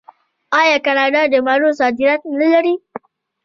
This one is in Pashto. آیا کاناډا د مڼو صادرات نلري؟